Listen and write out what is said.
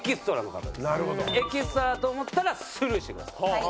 エキストラだと思ったらスルーしてください。